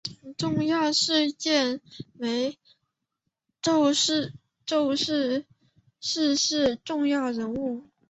重要事件及趋势逝世重要人物